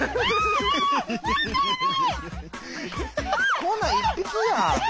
こんなん１匹やん。